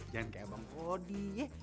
jangan kayak abang kodi ya